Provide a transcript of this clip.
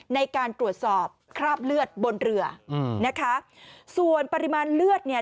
ในการตรวจสอบคราบเลือดบนเรืออืมนะคะส่วนปริมาณเลือดเนี่ย